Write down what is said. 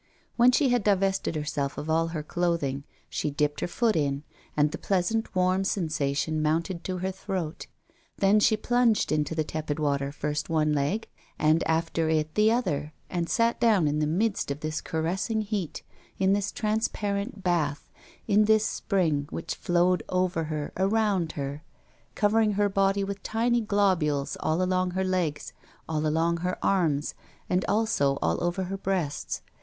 When she had divested herself of all her clothing she dipped her foot in, and the pleasant warm sensation mounted to her throat; then she plunged into the tepid water first one leg, and after it the other, and sat down in the midst of this caressing heat, in this transparent bath, in this spring, which flowed over her, around her, covering her body with tiny globules all along her legs, all along her arms, and also all over her breasts.